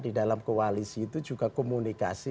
di dalam koalisi itu juga komunikasi